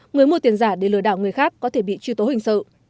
người mua tiền giả để lừa đảo người khác có thể bị truy tố hình sự